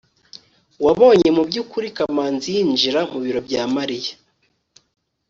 wabonye mubyukuri kamanzi yinjira mubiro bya mariya